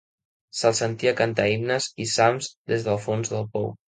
Se'ls sentia cantar himnes i salms des del fons del pou.